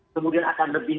kemudian akan lebih